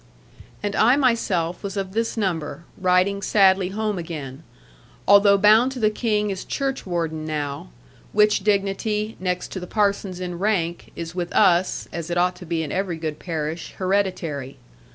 And I myself was of this number, riding sadly home again; although bound to the King as churchwarden now; which dignity, next to the parson's in rank, is with us (as it ought to be in every good parish) hereditary.